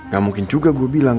gak mungkin juga gue bilang